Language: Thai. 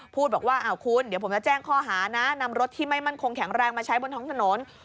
พูดบอกว่าอ้าวคุณเดี๋ยวผมจะแจ้งข้อหานะนำรถที่ไม่มั่นคงแข็งแรงมาใช้บนท้องถนน